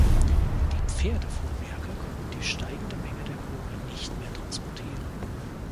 Die Pferdefuhrwerke konnten die steigende Menge der Kohle nicht mehr transportieren.